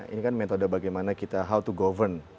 ini kan metode bagaimana kita how to govern